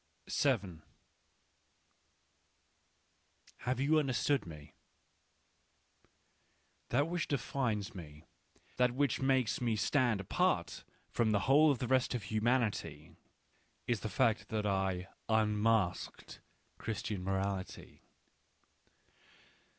Digitized by Google WHY I AM A FATALITY <£&) Have you understood me ? That which defines me, that which makes me stand apart from the whole of the rest of humanity, is the fact that I unmasked Christian morality.